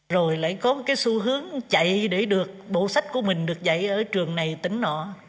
rồi lại có một cái xu hướng chạy để được bộ sách của mình được dạy ở trường này tỉnh nọ